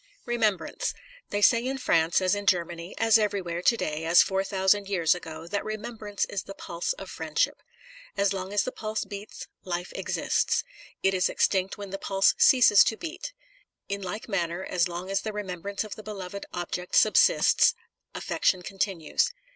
Remembrance. They say in France as in Germany, as everywhere, to day as four thou sand years ago, that remembrance is the pulse of friendship. As long as the pulse beats, life exists. It is extinct when the pulse ceases to beat. In like manner, as long as the remembrance of the beloved object subsists, affection continues.